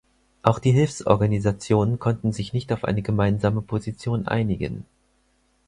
Auch die Hilfsorganisationen konnten sich nicht auf eine gemeinsame Position einigen.